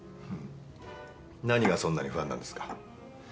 何がそんなに不安なんですか？